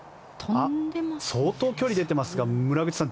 相当距離が出てますが村口さん